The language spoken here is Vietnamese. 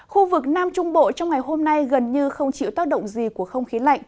khu vực nam trung bộ trong ngày hôm nay gần như không chịu tác động gì của không khí lạnh